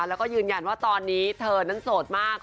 แล้วก็ยืนยันว่าตอนนี้เธอนั้นโสดมาก